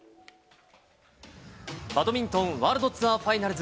バドミントンワールドツアーファイナルズ。